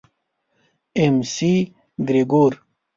اېم سي ګرېګور.